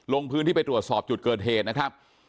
ลงพื้นที่ไปตรวจสอบจุดเกิดเหตุนะครับ